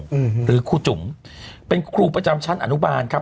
มาปลอดโปรงหรือคู่จุ๋มเป็นครูประจำชั้นอุณบันครับ